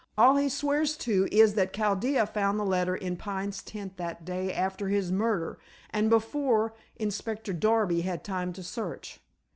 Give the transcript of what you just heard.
All he swears to is that Chaldea found the letter in Pine's tent the day after his murder, and before Inspector Darby had time to search.